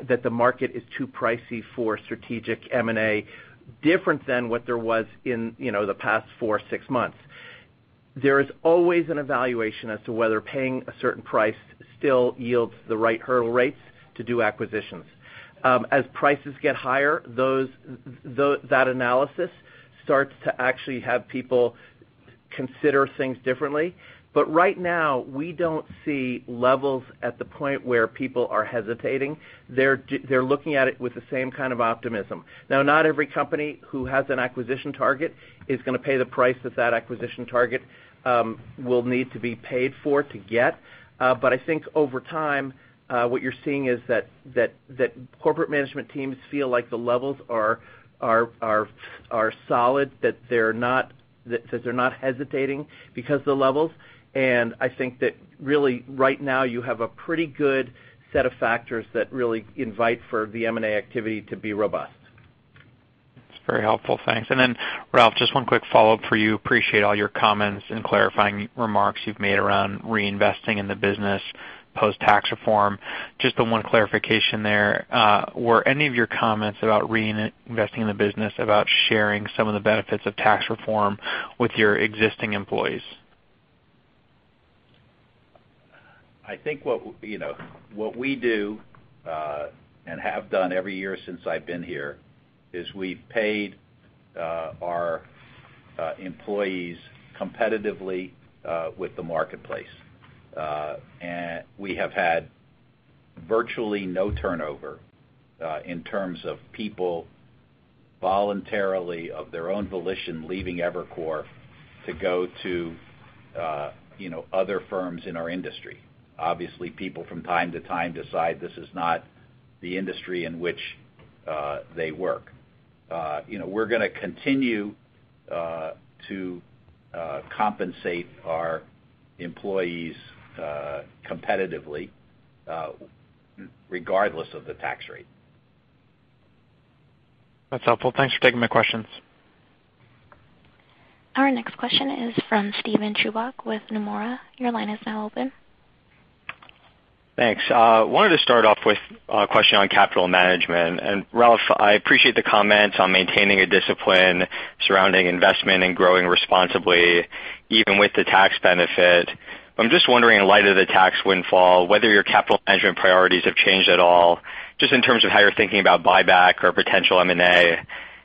that the market is too pricey for strategic M&A, different than what there was in the past four, six months. There is always an evaluation as to whether paying a certain price still yields the right hurdle rates to do acquisitions. As prices get higher, that analysis starts to actually have people consider things differently. Right now, we don't see levels at the point where people are hesitating. They're looking at it with the same kind of optimism. Now, not every company who has an acquisition target is going to pay the price that acquisition target will need to be paid for to get. I think over time, what you're seeing is that corporate management teams feel like the levels are solid, that they're not hesitating because the levels. I think that really right now you have a pretty good set of factors that really invite for the M&A activity to be robust. That's very helpful. Thanks. Ralph, just one quick follow-up for you. Appreciate all your comments and clarifying remarks you've made around reinvesting in the business post-Tax Reform. Just the one clarification there. Were any of your comments about reinvesting in the business about sharing some of the benefits of Tax Reform with your existing employees? I think what we do, and have done every year since I've been here, is we've paid our employees competitively with the marketplace. We have had virtually no turnover in terms of people voluntarily, of their own volition, leaving Evercore to go to other firms in our industry. Obviously, people from time to time decide this is not the industry in which they work. We're going to continue to compensate our employees competitively regardless of the tax rate. That's helpful. Thanks for taking my questions. Our next question is from Steven Chubak with Nomura. Your line is now open. Thanks. I wanted to start off with a question on capital management. Ralph, I appreciate the comments on maintaining a discipline surrounding investment and growing responsibly even with the tax benefit. I'm just wondering, in light of the tax windfall, whether your capital management priorities have changed at all, just in terms of how you're thinking about buyback or potential M&A.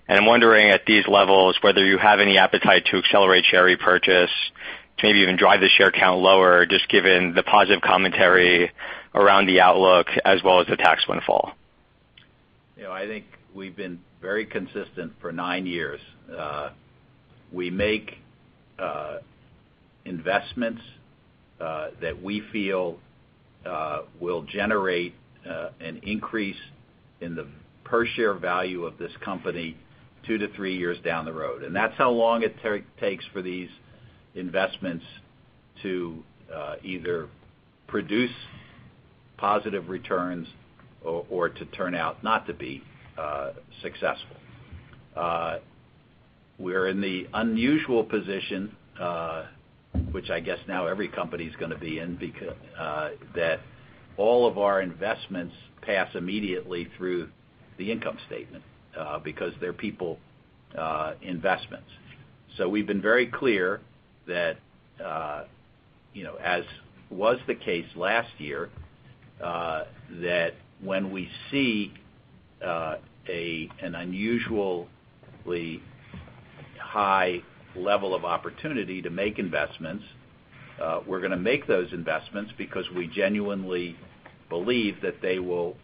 I'm wondering at these levels, whether you have any appetite to accelerate share repurchase to maybe even drive the share count lower, just given the positive commentary around the outlook as well as the tax windfall. I think we've been very consistent for nine years. We make investments that we feel will generate an increase in the per share value of this company two to three years down the road. That's how long it takes for these investments to either produce positive returns or to turn out not to be successful. We're in the unusual position, which I guess now every company's going to be in, that all of our investments pass immediately through the income statement, because they're people investments. We've been very clear that, as was the case last year, that when we see an unusually high level of opportunity to make investments, we're going to make those investments because we genuinely believe that they will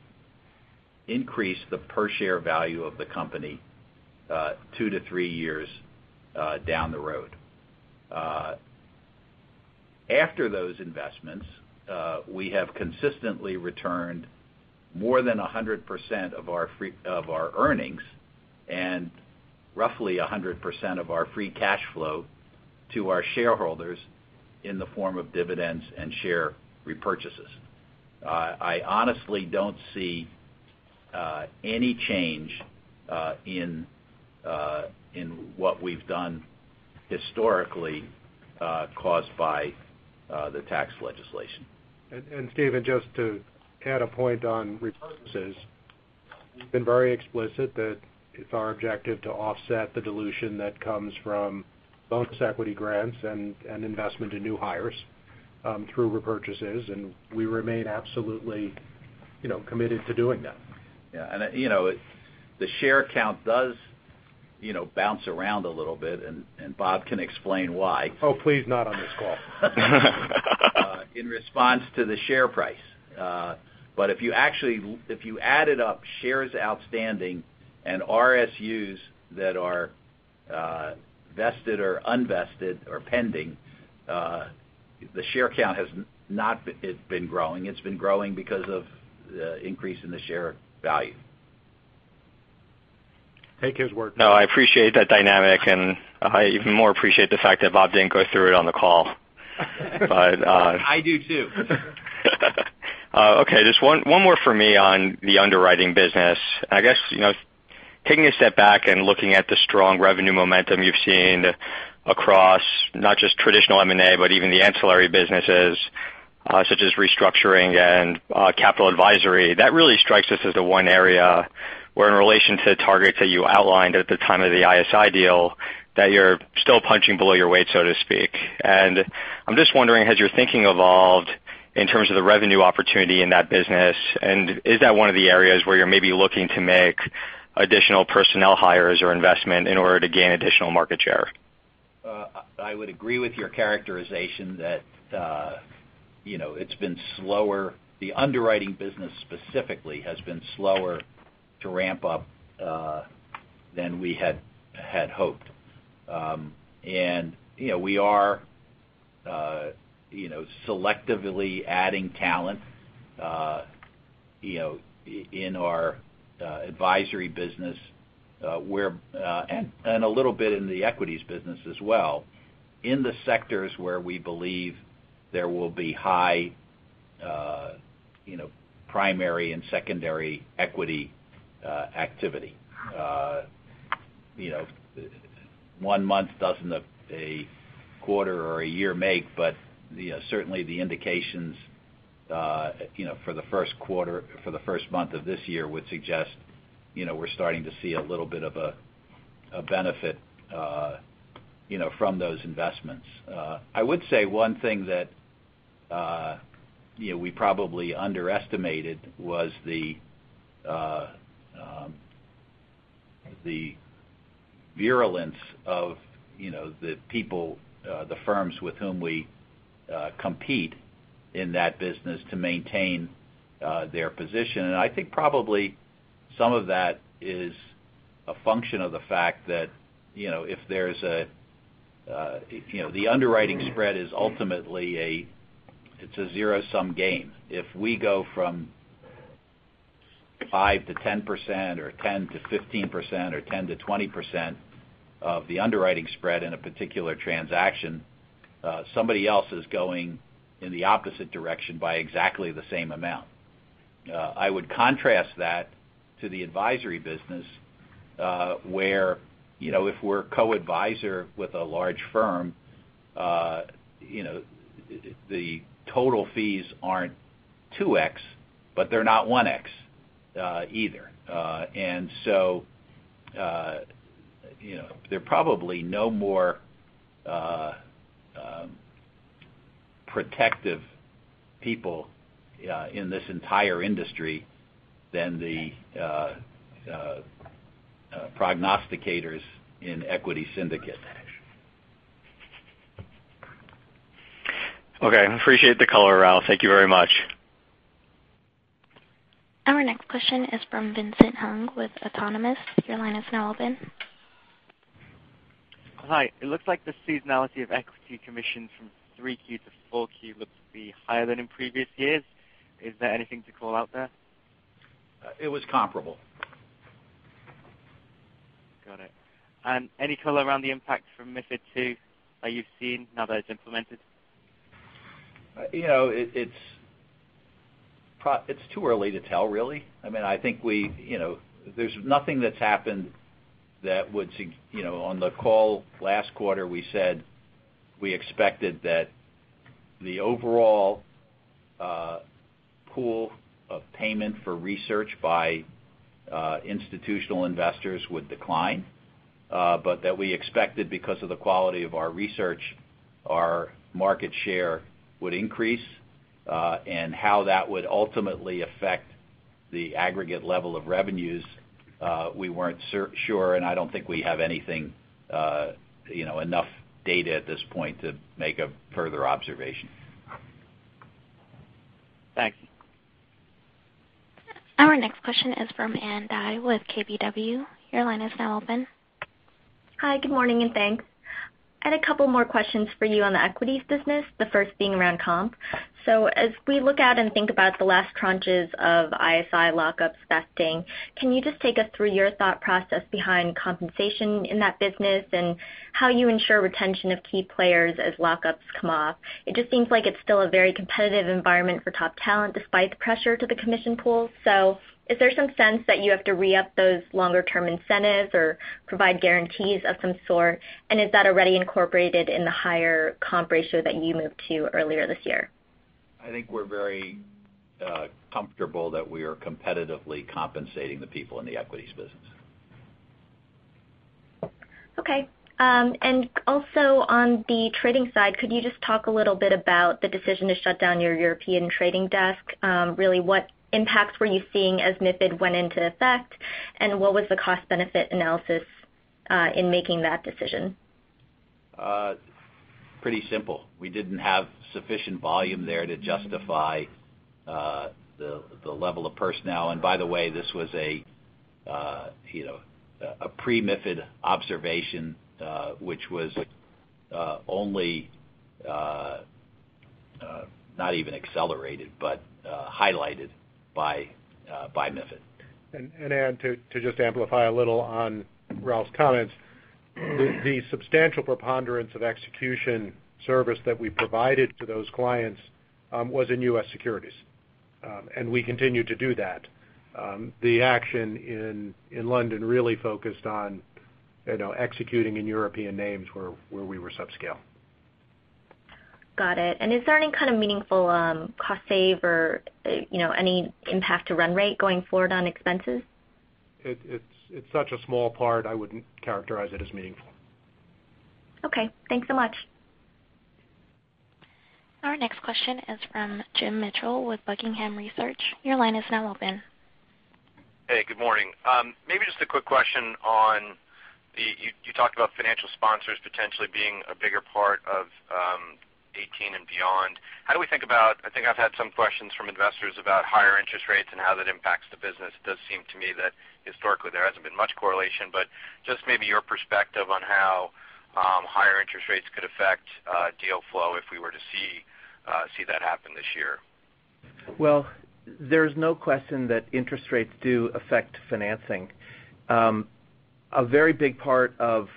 increase the per share value of the company two to three years down the road. After those investments, we have consistently returned more than 100% of our earnings and roughly 100% of our free cash flow to our shareholders in the form of dividends and share repurchases. I honestly don't see any change in what we've done historically caused by the tax legislation. Steven, just to add a point on repurchases. We've been very explicit that it's our objective to offset the dilution that comes from bonus equity grants and investment in new hires through repurchases, and we remain absolutely committed to doing that. Yeah. The share count does bounce around a little bit, and Bob can explain why. Oh, please, not on this call. In response to the share price. If you added up shares outstanding and RSUs that are vested or unvested or pending, the share count has not been growing. It's been growing because of the increase in the share value. Take his word. No, I appreciate that dynamic, and I even more appreciate the fact that Bob didn't go through it on the call. I do, too. Okay, just one more from me on the underwriting business. I guess, taking a step back and looking at the strong revenue momentum you've seen across not just traditional M&A, but even the ancillary businesses, such as restructuring and capital advisory. That really strikes us as the one area where in relation to targets that you outlined at the time of the ISI deal, that you're still punching below your weight, so to speak. I'm just wondering, has your thinking evolved in terms of the revenue opportunity in that business? Is that one of the areas where you're maybe looking to make additional personnel hires or investment in order to gain additional market share? I would agree with your characterization that it's been slower. The underwriting business specifically has been slower to ramp up than we had hoped. We are selectively adding talent in our advisory business, and a little bit in the equities business as well, in the sectors where we believe there will be high primary and secondary equity activity. One month doesn't a quarter or a year make, but certainly the indications for the first month of this year would suggest we're starting to see a little bit of a benefit from those investments. I would say one thing that we probably underestimated was the virulence of the firms with whom we compete in that business to maintain their position. I think probably some of that is a function of the fact that if there's the underwriting spread is ultimately a zero-sum game. If we go from 5%-10% or 10%-15%, or 10%-20% of the underwriting spread in a particular transaction, somebody else is going in the opposite direction by exactly the same amount. I would contrast that to the advisory business, where if we're co-advisor with a large firm the total fees aren't 2x, but they're not 1x, either. So there are probably no more protective people in this entire industry than the prognosticators in equity syndicate. Okay. I appreciate the color, Ralph. Thank you very much. Our next question is from Vincent Hung with Autonomous. Your line is now open. Hi. It looks like the seasonality of equity commissions from 3Q to 4Q looks to be higher than in previous years. Is there anything to call out there? It was comparable. Got it. Any color around the impact from MiFID II that you've seen now that it's implemented? It's too early to tell, really. There's nothing that's happened. On the call last quarter, we said we expected that the overall pool of payment for research by institutional investors would decline, but that we expected because of the quality of our research, our market share would increase. How that would ultimately affect the aggregate level of revenues, we weren't sure, and I don't think we have enough data at this point to make a further observation. Thank you. Our next question is from Ann Dai with KBW. Your line is now open. Hi, good morning, and thanks. I had a couple more questions for you on the equities business, the first being around comp. As we look at and think about the last tranches of ISI lockups vesting, can you just take us through your thought process behind compensation in that business and how you ensure retention of key players as lockups come off? It just seems like it's still a very competitive environment for top talent despite the pressure to the commission pool. Is there some sense that you have to re-up those longer-term incentives or provide guarantees of some sort? Is that already incorporated in the higher comp ratio that you moved to earlier this year? I think we're very comfortable that we are competitively compensating the people in the equities business. Okay. Also on the trading side, could you just talk a little bit about the decision to shut down your European trading desk? Really, what impacts were you seeing as MiFID went into effect, and what was the cost-benefit analysis in making that decision? Pretty simple. We didn't have sufficient volume there to justify the level of personnel. By the way, this was a pre-MiFID observation, which was only, not even accelerated, but highlighted by MiFID. Ann, to just amplify a little on Ralph's comments, the substantial preponderance of execution service that we provided to those clients was in U.S. securities. We continue to do that. The action in London really focused on executing in European names where we were subscale. Got it. Is there any kind of meaningful cost save or any impact to run rate going forward on expenses? It's such a small part, I wouldn't characterize it as meaningful. Okay. Thanks so much. Our next question is from Jim Mitchell with Buckingham Research. Your line is now open. Hey, good morning. Maybe just a quick question. You talked about financial sponsors potentially being a bigger part of 2018 and beyond. How do we think about? I think I've had some questions from investors about higher interest rates and how that impacts the business. It does seem to me that historically there hasn't been much correlation, but just maybe your perspective on how higher interest rates could affect deal flow if we were to see that happen this year. Well, there's no question that interest rates do affect financing. A very big part of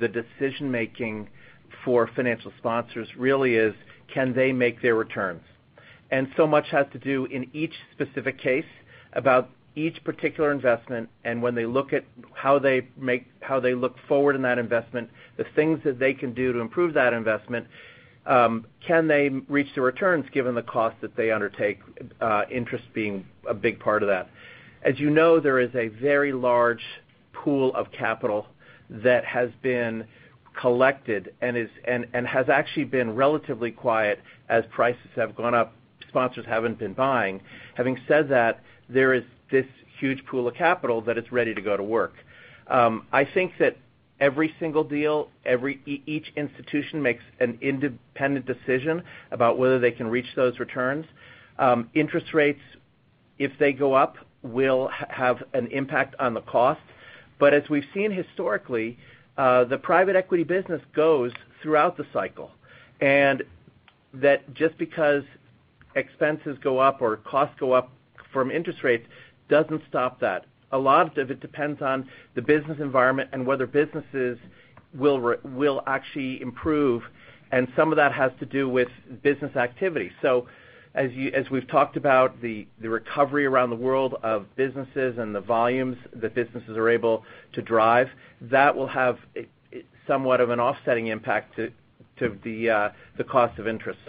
the decision-making for financial sponsors really is, can they make their returns? So much has to do in each specific case about each particular investment, and when they look at how they look forward in that investment, the things that they can do to improve that investment, can they reach the returns given the cost that they undertake, interest being a big part of that. As you know, there is a very large pool of capital that has been collected and has actually been relatively quiet as prices have gone up. Sponsors haven't been buying. Having said that, there is this huge pool of capital that is ready to go to work. I think that every single deal, each institution makes an independent decision about whether they can reach those returns. Interest rates, if they go up, will have an impact on the cost. As we've seen historically, the private equity business goes throughout the cycle, and that just because expenses go up or costs go up from interest rates doesn't stop that. A lot of it depends on the business environment and whether businesses will actually improve, and some of that has to do with business activity. As we've talked about the recovery around the world of businesses and the volumes that businesses are able to drive, that will have somewhat of an offsetting impact to the cost of interest.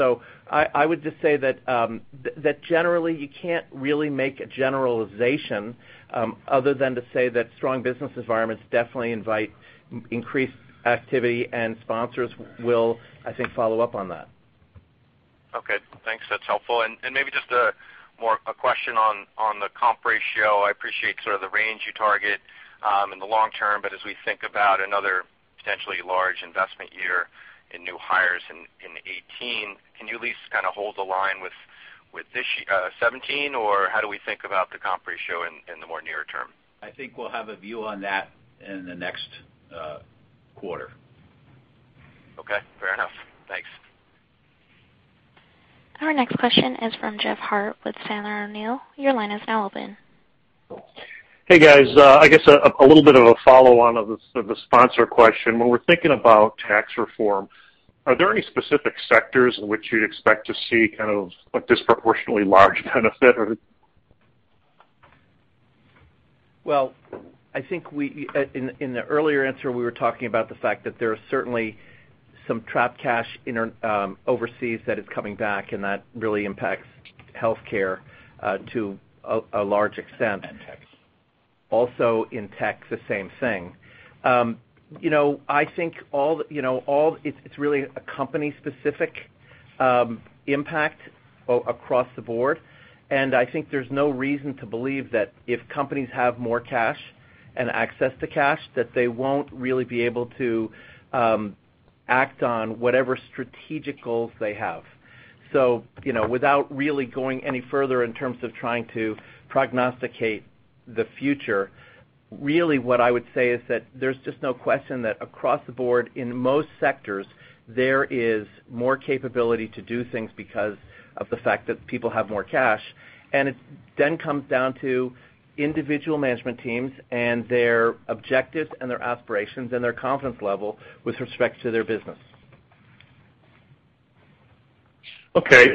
I would just say that generally, you can't really make a generalization other than to say that strong business environments definitely invite increased activity and sponsors will, I think, follow up on that. Okay, thanks. That's helpful. Maybe just a question on the comp ratio. I appreciate sort of the range you target in the long term, but as we think about another potentially large investment year in new hires in 2018, can you at least kind of hold the line with 2017? Or how do we think about the comp ratio in the more near-term? I think we'll have a view on that in the next quarter. Okay, fair enough. Thanks. Our next question is from Jeff Harte with Sandler O'Neill. Your line is now open. Hey, guys. I guess a little bit of a follow-on of the sponsor question. When we're thinking about tax reform, are there any specific sectors in which you'd expect to see kind of a disproportionately large benefit or? Well, I think in the earlier answer, we were talking about the fact that there are certainly some trapped cash overseas that is coming back, and that really impacts healthcare to a large extent. Tech. In tech, the same thing. I think it's really a company-specific impact across the board. I think there's no reason to believe that if companies have more cash and access to cash, that they won't really be able to act on whatever strategic goals they have. Without really going any further in terms of trying to prognosticate the future, really what I would say is that there's just no question that across the board in most sectors, there is more capability to do things because of the fact that people have more cash. It then comes down to individual management teams and their objectives and their aspirations and their confidence level with respect to their business. Okay.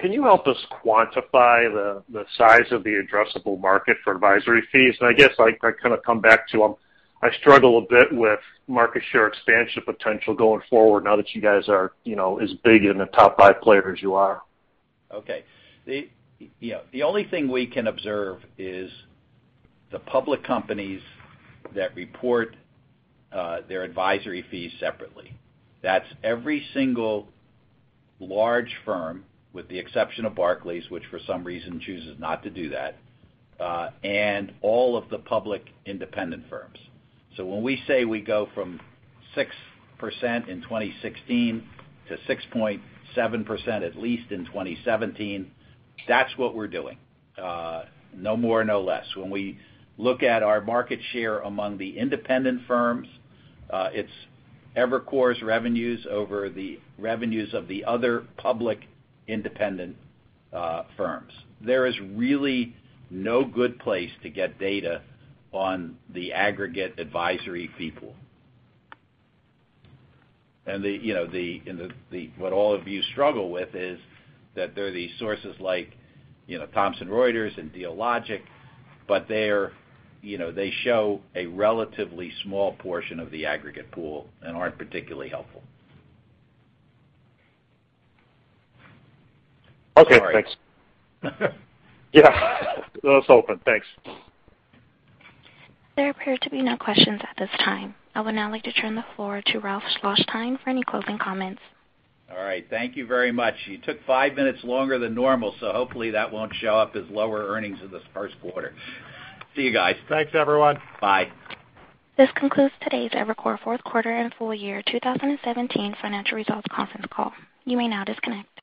Can you help us quantify the size of the addressable market for advisory fees? I guess I kind of come back to them. I struggle a bit with market share expansion potential going forward now that you guys are as big in the top five players as you are. Okay. The only thing we can observe is the public companies that report their advisory fees separately. That's every single large firm, with the exception of Barclays, which for some reason chooses not to do that, and all of the public independent firms. When we say we go from 6% in 2016 to 6.7% at least in 2017, that's what we're doing. No more, no less. When we look at our market share among the independent firms, it's Evercore's revenues over the revenues of the other public independent firms. There is really no good place to get data on the aggregate advisory people. What all of you struggle with is that there are these sources like Thomson Reuters and Dealogic, but they show a relatively small portion of the aggregate pool and aren't particularly helpful. Okay, thanks. Sorry. Yeah. That's open. Thanks. There appear to be no questions at this time. I would now like to turn the floor to Ralph Schlosstein for any closing comments. All right. Thank you very much. You took five minutes longer than normal, so hopefully that won't show up as lower earnings in this first quarter. See you guys. Thanks, everyone. Bye. This concludes today's Evercore fourth quarter and full year 2017 financial results conference call. You may now disconnect.